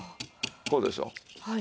こうでしょう。